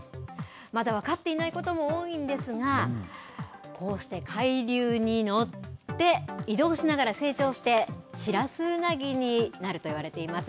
まだ分かっていないことも多いんですが、こうして海流に乗って、移動しながら成長してシラスウナギになるといわれています。